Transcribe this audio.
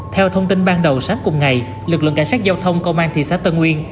theo thông tin ban đầu sáng cùng ngày lực lượng cảnh sát giao thông công an thị xã tân nguyên